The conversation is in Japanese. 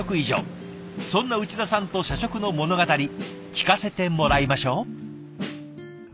そんな内田さんと社食の物語聞かせてもらいましょう。